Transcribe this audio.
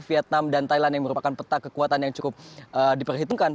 vietnam dan thailand yang merupakan peta kekuatan yang cukup diperhitungkan